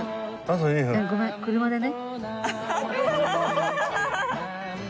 えっごめん車でね。